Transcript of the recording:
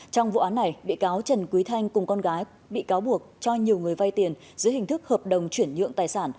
trong vụ án này bị cáo trần quý thanh cùng con gái bị cáo buộc cho nhiều người vay tiền dưới hình thức hợp đồng chuyển nhượng tài sản